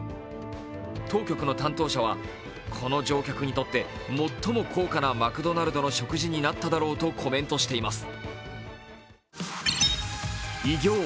当局の担当者は最も高価なマクドナルドの食事になっただろうとコメントしています。